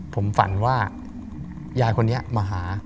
ผมฝันว่ายายคนนี้มาหา